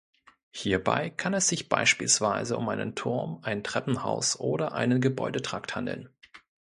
Hierbei kann es sich beispielsweise um einen Turm, ein Treppenhaus oder einen Gebäudetrakt handeln.